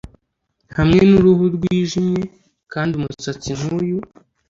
hamwe n'uruhu rwijimye kandi umusatsi nk'uyu?